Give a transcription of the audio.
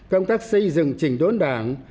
công tác xây dựng chỉnh đốn đảng